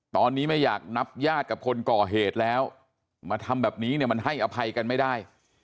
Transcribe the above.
ตอนนี้ไม่อยากนับญาติกับคนก่อเหตุแล้วมาทำแบบนี้เนี่ยมันให้อภัยกันไม่ได้